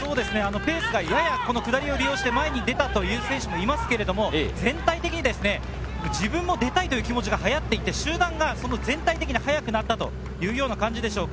ペースが下りを利用して、やや前に出た選手もいますが全体的に自分も出たいという気持ちがはやっていて、集団が全体的に速くなったというような感じでしょうか。